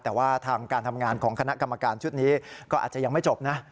แต่ว่าทางการทำงานของคณะกรรมการชุดนี้ก็อาจจะยังไม่จบนะ